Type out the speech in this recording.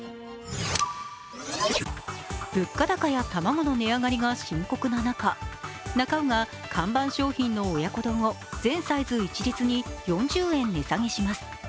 物価高や卵の値上がりが深刻な中、なか卯が看板商品の親子丼を全サイズ一律に４０円値下げします。